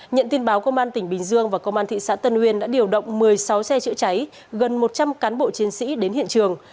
nhận tin báo công an tỉnh bình dương và công an thị xã tân uyên đã điều động một mươi sáu xe chữa cháy gần một trăm linh cán bộ chiến sĩ đến hiện trường